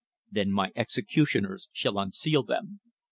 "Then my executioners shall unseal them."